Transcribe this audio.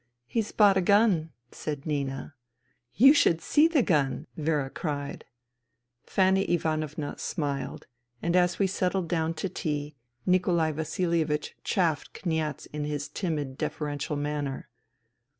" He's bought a gun," said Nina. " You should see the gun !" Vera cried. Fanny Ivanovna smiled ; and as we settled down to tea Nikolai Vasilievich chaffed Kniaz in his timid, deferential manner.